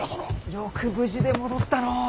よく無事で戻ったのう。